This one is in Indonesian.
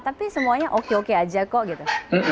tapi semuanya oke oke aja kok gitu